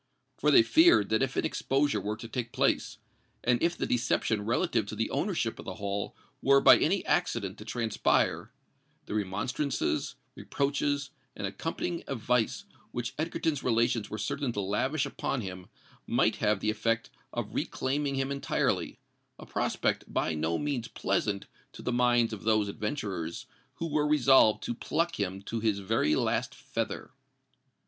For they feared that if an exposure were to take place, and if the deception relative to the ownership of the Hall were by any accident to transpire, the remonstrances, reproaches, and accompanying advice which Egerton's relations were certain to lavish upon him, might have the effect of reclaiming him entirely—a prospect by no means pleasant to the minds of those adventurers, who were resolved to pluck him to his very last feather.